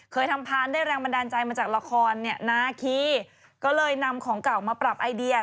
เคยทำพานได้แรงบันดาลใจมาจากละครเนี่ยนาคีก็เลยนำของเก่ามาปรับไอเดีย